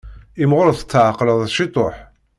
Imɣur tetεeqqleḍ ciṭuḥ.